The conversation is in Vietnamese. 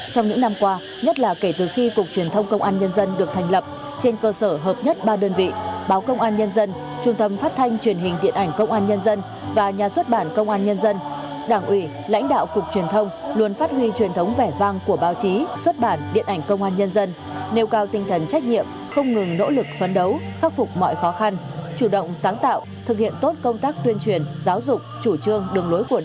trong những năm qua nhất là kể từ khi cục truyền thông công an nhân dân được thành lập trên cơ sở hợp nhất ba đơn vị báo công an nhân dân trung tâm phát thanh truyền hình điện ảnh công an nhân dân và nhà xuất bản công an nhân dân đảng ủy lãnh đạo cục truyền thông luôn phát huy truyền thống vẻ vang của báo chí xuất bản điện ảnh công an nhân dân nêu cao tinh thần trách nhiệm không ngừng nỗ lực phấn đấu phát phục mọi khó khăn chủ động sáng tạo thực hiện tốt công tác tuyên truyền giáo dục chủ trương đ